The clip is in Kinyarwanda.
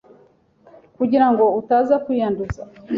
kugira ngo utaza kwiyanduza